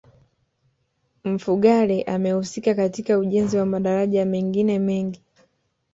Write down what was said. Mfugale amehusika katika ujenzi wa madaraja mengine mengi